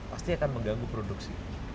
pasti akan mengganggu produksi